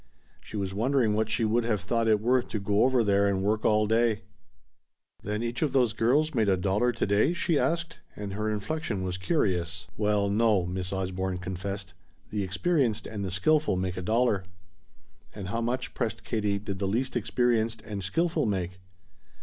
She was wondering what she would have thought it worth to go over there and work all day. "Then each of those girls made a dollar today?" she asked, and her inflection was curious. "Well no," Miss Osborne confessed. "The experienced and the skillful made a dollar." "And how much," pressed Katie, "did the least experienced and skillful make?"